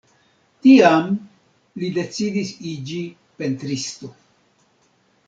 Tiam li decidis iĝi pentristo.